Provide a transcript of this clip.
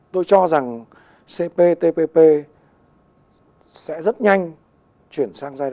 tôi cho rằng cptpp sẽ rất nhanh chuyển sang giai đoạn